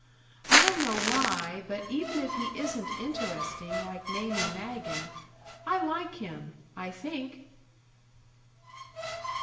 I don't know why, but even if he isn't interesting, like Mamie Magen, I like him I think!"